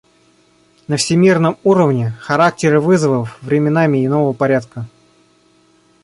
На всемирном уровне характер вызовов временами иного порядка.